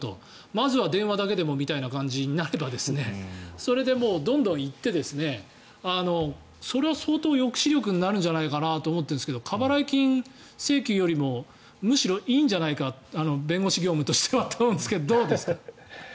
まずは電話だけでもみたいな感じになればそれでどんどん行ってそれは相当抑止力になるんじゃないかと思っているんですが過払い金請求よりもむしろいいんじゃないか弁護士業務としてはと思うんですがどうですか？